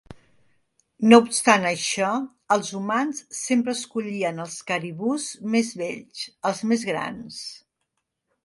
No obstant això, els humans sempre escollien els caribús més bells, els més grans.